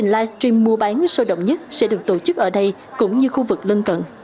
live stream mua bán sâu động nhất sẽ được tổ chức ở đây cũng như khu vực lân cận